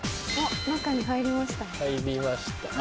中に入りましたね。